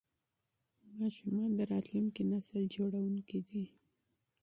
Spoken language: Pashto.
ماشومان د راتلونکي نسل جوړونکي دي.